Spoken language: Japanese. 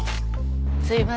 すいません。